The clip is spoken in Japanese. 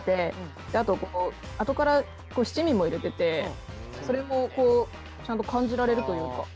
あとこのあとから七味も入れててそれもこうちゃんと感じられるというか。